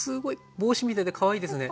帽子みたいでかわいいですね。